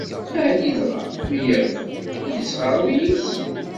Ɛni dɣa mi yerfa, ad isɣer ul-is?